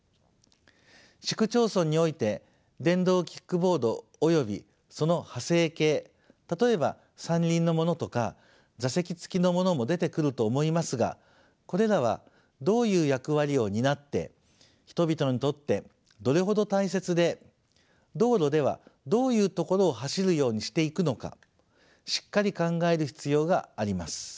市区町村において電動キックボードおよびその派生形例えば３輪のものとか座席付きのものも出てくると思いますがこれらはどういう役割を担って人々にとってどれほど大切で道路ではどういう所を走るようにしていくのかしっかり考える必要があります。